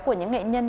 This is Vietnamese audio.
của những nghệ nhân